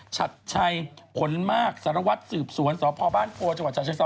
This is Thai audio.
ชัดชัยผลมากสารวัตรสืบสวนสหพบ้านโฟจังหวัดชะเชิงเศร้า